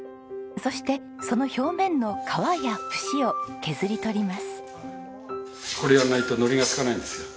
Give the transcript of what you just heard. そしてその表面の皮や節を削り取ります。